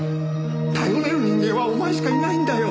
頼れる人間はお前しかいないんだよ。